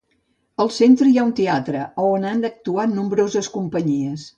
Al centre hi ha un teatre, a on han actuat nombroses companyies.